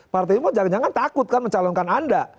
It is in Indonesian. partai pun jangan jangan takut kan mencalonkan anda